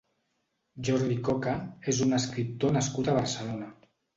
Jordi Coca és un escriptor nascut a Barcelona.